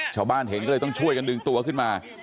ชาวบ้านเห็นก็เลยต้องช่วยกันดึงตัวขึ้นมา